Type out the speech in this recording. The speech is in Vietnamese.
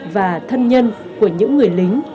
và thân nhân của những người lính